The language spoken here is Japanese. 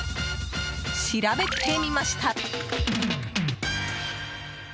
調べてみました。